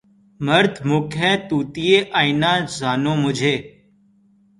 مردمک ہے طوطئِ آئینۂ زانو مجھے